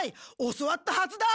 教わったはずだ！